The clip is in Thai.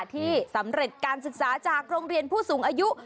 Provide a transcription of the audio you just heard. ที่สำเร็จการศึกษาจากโรงเรียนผู้สูงอายุ